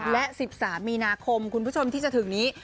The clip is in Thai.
และ๑๓มีนาคมคุณผู้ชมที่จะถึงนี้